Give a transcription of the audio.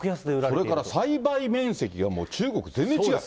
それから栽培面積がもう中国、全然違う。